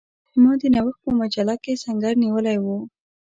ما د نوښت په مجله کې سنګر نیولی وو.